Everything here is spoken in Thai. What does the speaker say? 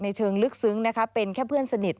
เชิงลึกซึ้งนะคะเป็นแค่เพื่อนสนิท